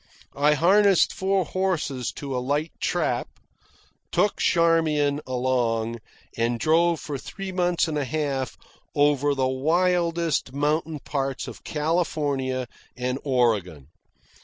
I harnessed four horses to a light trap, took Charmian along, and drove for three months and a half over the wildest mountain parts of California and Oregon.